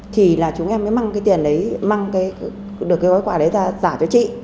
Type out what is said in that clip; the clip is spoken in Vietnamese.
thì chúng em mới mang được quà đấy ra giả cho chị